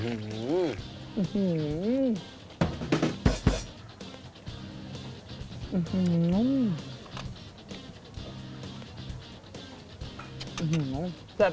อุ๊ยต้องกำผัก